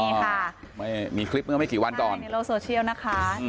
นี่ค่ะไม่มีคลิปเมื่อไม่กี่วันก่อนในโลกโซเชียลนะคะ